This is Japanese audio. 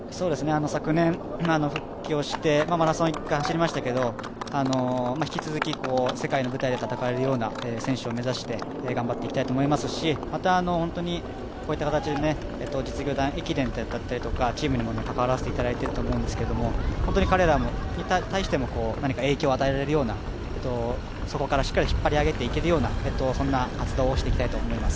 昨年復帰をしてマラソンを１回走りましたけど引き続き世界の舞台で戦えるような選手を目指して頑張っていきたいと思いますし、またこういった形で実業団駅伝だったりとかチームにも関わらせていただいたいると思うんですけれども、本当に彼らに対しても影響を与えられるような底からしっかり引っ張り上げていけるような活動をしていきたいと思います。